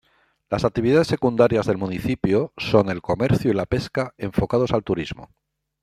Las actividades secundarias del municipio son el comercio y la pesca enfocados al turismo.